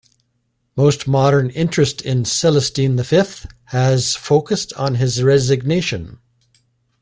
Most modern interest in Celestine the Fifth has focused on his resignation.